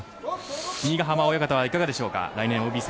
君ヶ濱親方はいかがでしょうか来年ＯＢ戦。